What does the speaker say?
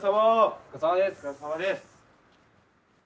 お疲れさまです。